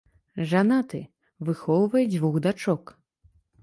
Жанаты, выхоўвае дзвюх дачок.